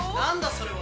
それは。